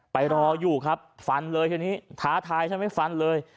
ไปรออยู่ครับฟันเลยใช่หรือไหมท้าท้ายใช่ไหมฟันเลย